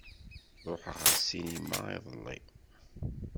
Ṛuḥeɣ ar ssinima iḍelli.